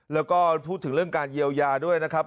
แล้วก็พูดถึงเรื่องการเยียวยาด้วยนะครับ